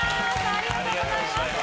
ありがとうございます。